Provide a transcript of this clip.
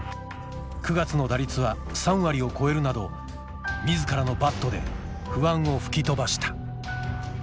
９月の打率は３割を超えるなど自らのバットで不安を吹き飛ばした。